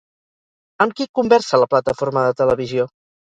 Amb qui conversa la plataforma de televisió?